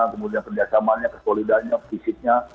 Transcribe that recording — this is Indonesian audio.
kemudian kerjasamanya kesolidannya fisiknya